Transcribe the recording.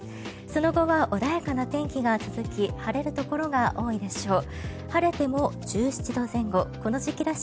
その後は穏やかな天気が続き晴れるところが多いでしょう。